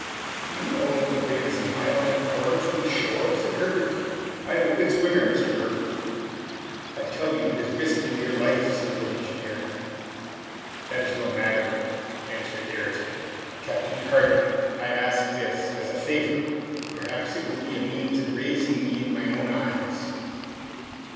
"Do you know that the brig is a mile and a quarter from the shore?" said Herbert. "I am a good swimmer, Mr. Herbert." "I tell you it is risking your life," said the engineer. "That is no matter," answered Ayrton. "Captain Harding, I ask this as a favor. Perhaps it will be a means of raising me in my own eyes!"